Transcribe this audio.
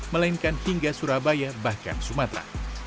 melainkan hingga surabaya bahkan sumatera